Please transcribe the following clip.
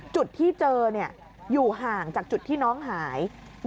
จุดที่เจออยู่ห่างจากจุดที่น้องหาย